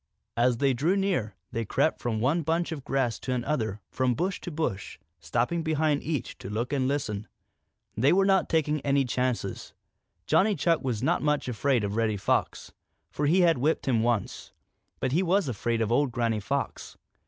As they drew near, they crept from one bunch of grass to another and from bush to bush, stopping behind each to look and listen. They were not taking any chances. Johnny Chuck was not much afraid of Reddy Fox, for he had whipped him once, but he was afraid of old Granny Fox.